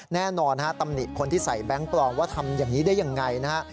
แน่นอนฮะตำหนิคนที่ใส่แบงค์ปลอมว่าทำอย่างนี้ได้ยังไงนะฮะ